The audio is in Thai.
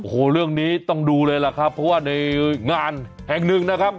โอ้โหเรื่องนี้ต้องดูเลยล่ะครับเพราะว่าในงานแห่งหนึ่งนะครับ